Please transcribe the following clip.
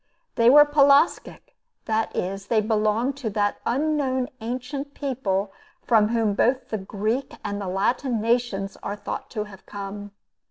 They were Pelasgic, that is, they belonged to that unknown ancient people from whom both the Greek and the Latin nations are thought to have come.